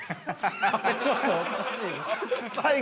ちょっとおかしいぞ。